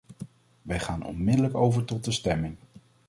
Wij gaan onmiddellijk over tot de stemming.